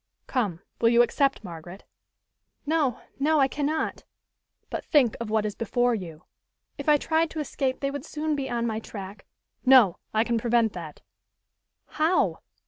"Come, will you accept, Margaret?" "No, no, I cannot!" "But think of what is before you." "If I tried to escape, they would soon be on my track " "No, I can prevent that." "How?"